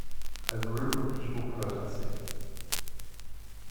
A group of people protesting.